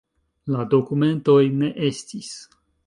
La dokumentoj ne estis.